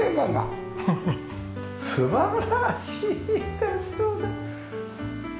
素晴らしいですね！